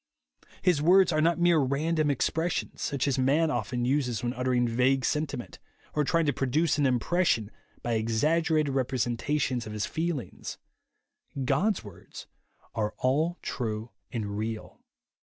His words are not mere random expressions, such as man often uses when uttering vague sentiment, or trying to produce an impres sion by exaggerated representations of his feelings. God's words are all true and real.